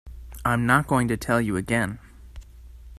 I’m not going to tell you again.